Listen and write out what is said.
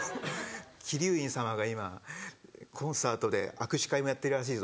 「鬼龍院様が今コンサートで握手会もやってるらしいぞ。